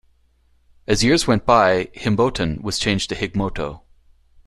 As years went by Himbotan was changed to Higmoto.